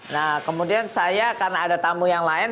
nah kemudian saya karena ada tamu yang lain